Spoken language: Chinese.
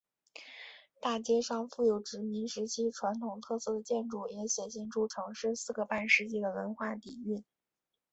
大街上富有殖民时期传统特色的建筑也显现出城市四个半世纪的文化底蕴。